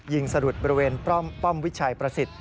สลุดบริเวณป้อมวิชัยประสิทธิ์